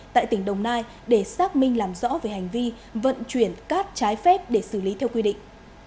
tại tỉnh đồng nai để xác minh làm rõ về hành vi vận chuyển cát trái phép để xử lý theo quy định